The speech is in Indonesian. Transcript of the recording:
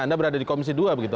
anda berada di komisi dua begitu